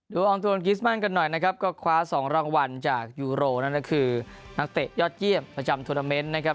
ดูอองตูนกริสมั่นกันหน่อยนะครับก็ขวาสองรางวัลจากยูโรนั่นคือนักเตะยอดเยี่ยมจากทูลาเมนต์นะครับ